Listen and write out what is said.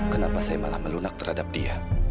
kenapa saya malah melunak terhadap dia